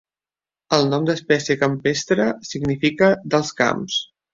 El nom d'espècie "campestre" significa "dels camps".